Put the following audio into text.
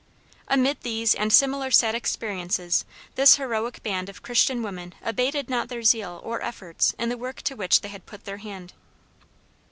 Amid these and similar sad experiences, this heroic band of Christian women abated not their zeal or efforts in the work to which they had put their hand.